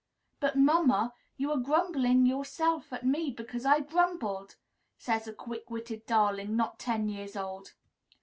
"But, mamma, you are grumbling yourself at me because I grumbled!" says a quick witted darling not ten years old.